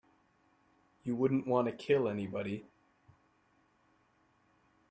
You wouldn't want to kill anybody.